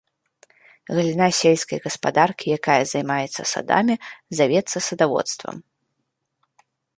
Галіна сельскай гаспадаркі, якая займаецца садамі, завецца садаводствам.